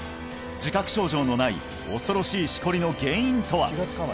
自覚症状のない恐ろしいシコリの原因とは？